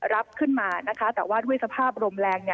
รับขึ้นมานะคะแต่ว่าด้วยสภาพลมแรง